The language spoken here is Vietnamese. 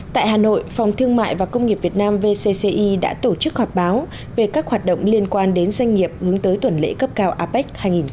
tại hà nội phòng thương mại và công nghiệp việt nam vcci đã tổ chức họp báo về các hoạt động liên quan đến doanh nghiệp hướng tới tuần lễ cấp cao apec hai nghìn hai mươi